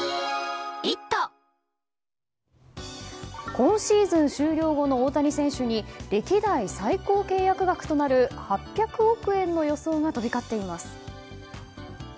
今シーズン終了後の大谷選手に歴代最高契約額となる８００億円の予想が飛び交っています。